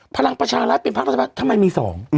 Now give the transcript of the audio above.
พลังประชารัฐเป็นภาครัฐบาลทำไมมี๒